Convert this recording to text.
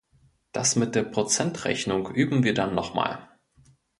Das mit der Prozentrechnung üben wir dann noch mal.